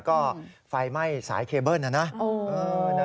ก็ไฟไหม้สายเคเบิ้ลนะนะ